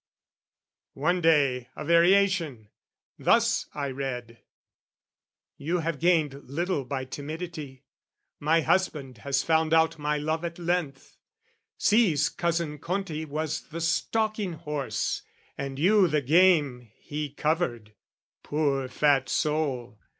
One day, a variation: thus I read: "You have gained little by timidity. "My husband has found out my love at length, "Sees cousin Conti was the stalking horse, "And you the game he covered, poor fat soul!